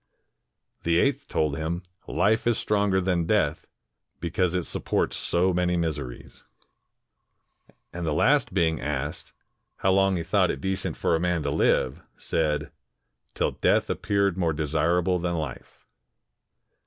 The eighth told him, "Life is stronger than death, because it supports so many miseries." And the last being asked, how long he thought it decent for a man to Hve, said, "Till death appeared more desirable than Hfe."